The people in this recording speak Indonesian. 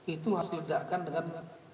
itu harus didakkan dengan